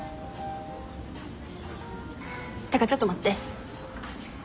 ってかちょっと待って。